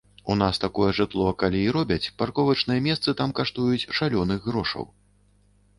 У нас такое жытло, калі і робяць, парковачныя месцы там каштуюць шалёных грошаў.